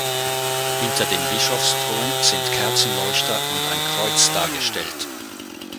Hinter dem Bischofsthron sind Kerzenleuchter und ein Kreuz dargestellt.